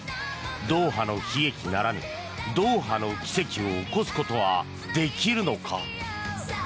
ドーハの悲劇ならぬドーハの奇跡を起こすことはできるのか。